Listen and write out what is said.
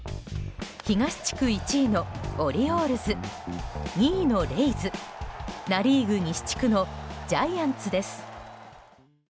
東地区１位のオリオールズ２位のレイズナ・リーグ西地区のジャイアンツです。